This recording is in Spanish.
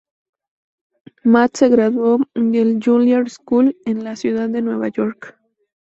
Matt se graduó del "Juilliard School" en la ciudad de Nueva York.